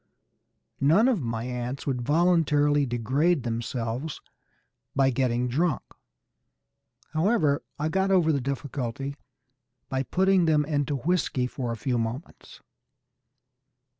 None of my ants would voluntarily degrade themselves by getting drunk. However, I got over the difficulty by putting them into whisky for a few moments.